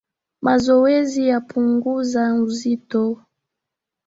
Mazowezi yapunguza uzito